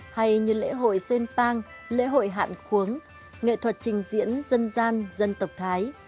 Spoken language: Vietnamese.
hay như lễ hội senpang lễ hội hạn khuống nghệ thuật trình diễn dân gian dân tộc thái